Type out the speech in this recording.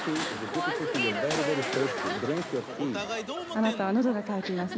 「あなたは喉が渇きますね」